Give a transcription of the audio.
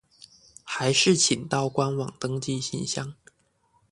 還是請到官網登記信箱